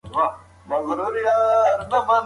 کابل زما د زلمیتوب د ټولو ارمانونو او هیلو ګلستان دی.